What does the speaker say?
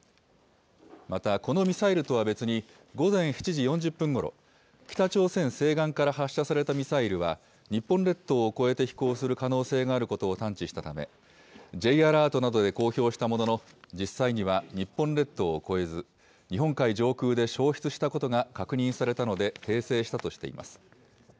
また、このミサイルとは別に、午前７時４０分ごろ、北朝鮮西岸から発射されたミサイルは、日本列島を越えて飛行する可能性があることを探知したため、Ｊアラートなどで公表したものの、実際には日本列島を越えず、日本海上空で焼失したことが確認されたので、訂正したとしています。